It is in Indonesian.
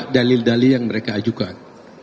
dalil dalil yang mereka ajukan